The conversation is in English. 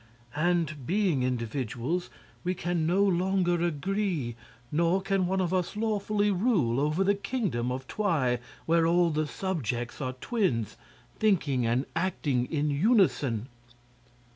And, being individuals, we can no longer agree, nor can one of us lawfully rule over the Kingdom of Twi, where all the subjects are twins, thinking and acting in unison."